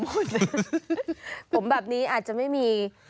ผมแบบนี้อาจจะไม่มี